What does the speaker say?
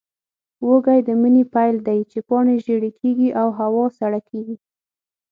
وږی د مني پیل دی، چې پاڼې ژېړې کېږي او هوا سړه کېږي.